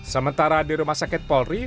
sementara di rumah sakit polri